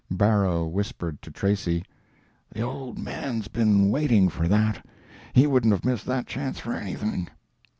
Barrow whispered to Tracy: "The old man's been waiting for that. He wouldn't have missed that chance for anything."